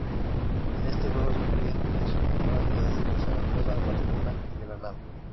En este juego se incluyen tres nuevas ciudades: Zaragoza, Barcelona y Granada.